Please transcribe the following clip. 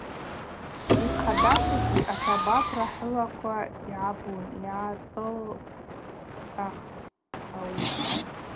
Йхъадахугьи – асабапра хӏылаквала йыгӏбун, – йгӏацылцӏахтӏ ауи.